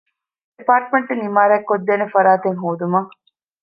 އެޕާޓްމަންޓެއް ޢިމާރާތްކޮށްދޭނޭ ފަރާތެއް ހޯދުމަށް